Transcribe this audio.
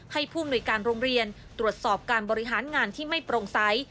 ผู้มนุยการโรงเรียนตรวจสอบการบริหารงานที่ไม่โปร่งใส